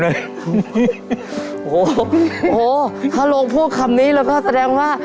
โอ้โหถ้าโรงพูดคำนี้แล้วก็แสดงว่า